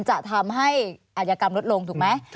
จะทำให้อัยกรรมลดลงถูกไหม